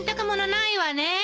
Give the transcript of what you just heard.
ないわ。